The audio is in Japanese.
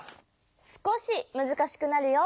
すこしむずかしくなるよ！